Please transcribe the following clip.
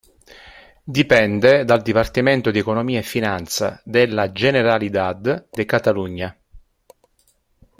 Dipende dal dipartimento di economia e finanza della Generalitat de Catalunya.